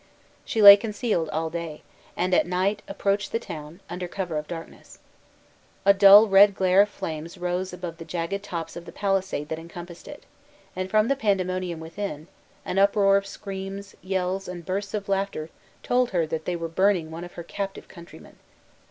She lay concealed all day, and at night approached the town, under cover of darkness. A dull red glare of flames rose above the jagged tops of the palisade that encompassed it; and, from the pandemonium within, an uproar of screams, yells, and bursts of laughter told her that they were burning one of her captive countrymen.